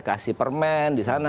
kasih permen disana